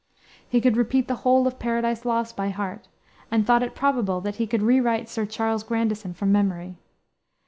He could repeat the whole of Paradise Lost by heart, and thought it probable that he could rewrite Sir Charles Grandison from memory.